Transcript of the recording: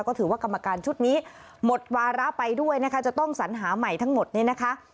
ก็ถือว่ากรรมการชุดนี้หมดวาระไปด้วยนะคะจะต้องสัญหาใหม่ทั้งหมดเนี่ยนะคะ